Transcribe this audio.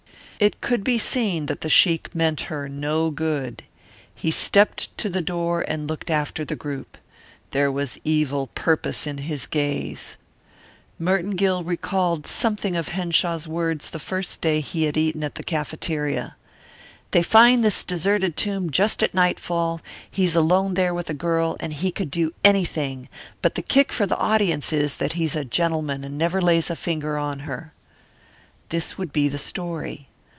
It could be seen that the sheik meant her no good. He stepped to the door and looked after the group. There was evil purpose in his gaze. Merton Gill recalled something of Henshaw's words the first day he had eaten at the cafeteria: "They find this deserted tomb just at nightfall, and he's alone there with the girl, and he could do anything, but the kick for the audience is that he's a gentleman and never lays a finger on her." This would be the story.